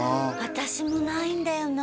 私もないんだよな